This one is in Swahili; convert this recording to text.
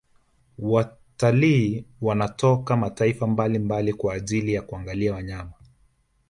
Watalii wanatoka mataifa mbalimbali kwa ajili ya kuangalia wanyama